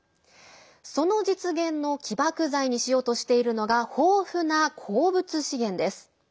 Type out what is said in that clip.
その実現の起爆剤にしようとしているのが豊富な鉱物資源です。